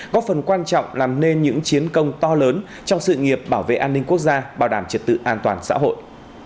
có phần quan trọng làm nên những chiến công to lớn trong sự nghiệp bảo vệ an ninh quốc gia bảo đảm trật tự an toàn xã hội